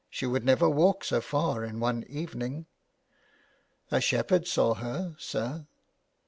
She would never walk so far in one evening." '' A shepherd saw her, sir."